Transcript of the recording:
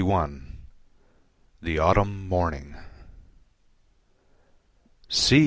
The Autumn Morning See!